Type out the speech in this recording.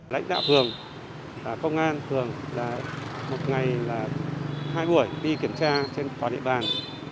lãnh đạo thường công an thường là một ngày là hai buổi đi kiểm tra trên tòa lệ bàn